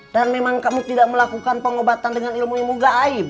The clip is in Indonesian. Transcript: dan memang kamu tidak melakukan pengobatan dengan ilmu ilmu gaib